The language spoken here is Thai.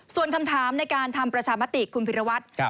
ส่วนคำถามในการทำประชามติคุณพิรวัตร